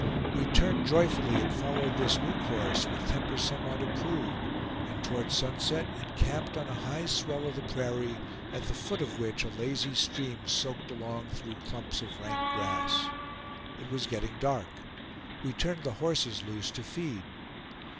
We turned joyfully and followed this new course, with tempers somewhat improved; and toward sunset encamped on a high swell of the prairie, at the foot of which a lazy stream soaked along through clumps of rank grass. It was getting dark. We turned the horses loose to feed.